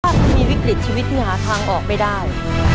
ถ้าคุณมีวิกฤตชีวิตที่หาทางออกไม่ได้